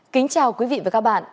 kính chào quý vị và các bạn